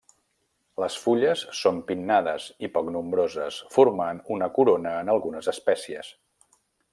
Les fulles són pinnades i poc nombroses, formant una corona en algunes espècies.